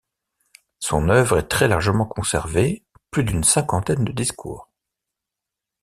Son œuvre est très largement conservée – plus d'une cinquantaine de discours.